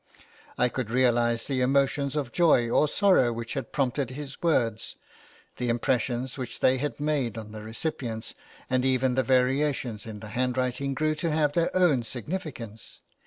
I could realise the emotions of joy or sorrow which had prompted his words, the impressions which they had made on the recipients, and even the variations in the handwriting grew to have their own significance.